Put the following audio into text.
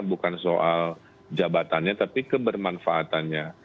bukan soal jabatannya tapi kebermanfaatannya